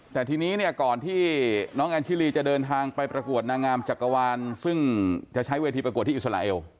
แต่ทีนี้เนี่ยก่อนที่น้องแอนชิลีจะเดินทางไปประกวดนางงามจักรวาลซึ่งจะใช้เวทีประกวดที่อิสราเอล